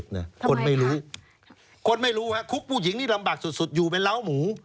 ทำไมคะคนไม่รู้คุกผู้หญิงนี่ลำบากสุดสุดอยู่ใบเล้าหมู